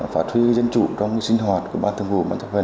phát huy dân chủ trong sinh hoạt của ban thường vụ